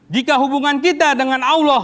jika hubungan kita dengan allah